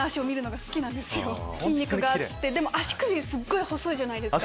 筋肉があってでも足首すっごい細いじゃないですか。